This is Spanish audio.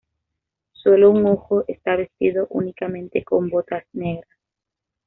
Solo un Ojo está vestido únicamente con botas negras.